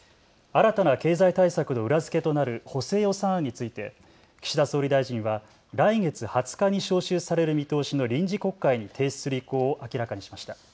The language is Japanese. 新たな経済対策の裏付けとなる補正予算案について岸田総理大臣は来月２０日に召集される見通しの臨時国会に提出する意向を明らかにしました。